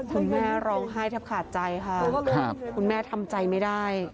คุณแม่ร้องไห้แทบขาดใจค่ะคุณแม่ทำใจไม่ได้